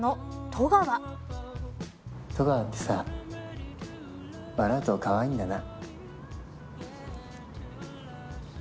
外川ってさ笑うとかわいいんだな。